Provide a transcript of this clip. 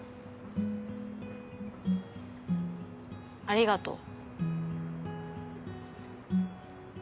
ありがとう。